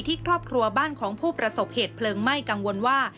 ครอบครัวบ้านของผู้ประสบเหตุเพลิงไหม้กังวลว่า